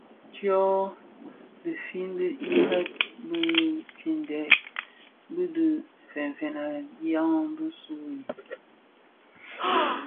Tsok ki fin dhi ireb më tidhëk bidhi fènfèn a dyaň bisu u.